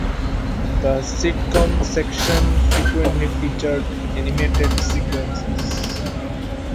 The sitcom section frequently featured animated sequences.